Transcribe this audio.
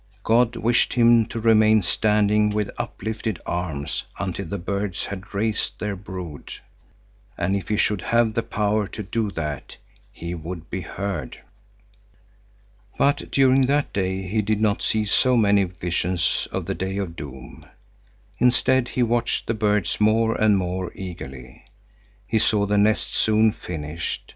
God wished him to remain standing with uplifted arms until the birds had raised their brood; and if he should have the power to do that, he would be heard. But during that day he did not see so many visions of the Day of Doom. Instead, he watched the birds more and more eagerly. He saw the nest soon finished.